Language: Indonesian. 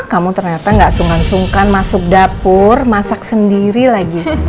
kamu ternyata gak sungkan sungkan masuk dapur masak sendiri lagi